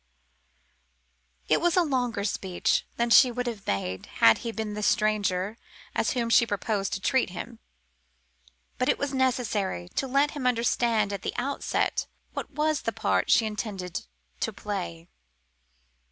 It was a longer speech than she would have made had he been the stranger as whom she proposed to treat him, but it was necessary to let him understand at the outset what was the part she intended to play.